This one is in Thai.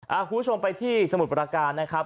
เราไปที่สมุดประการนะครับ